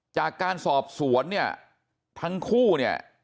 จากการสอบสวนเนี่ยทั้งคู่เนี่ย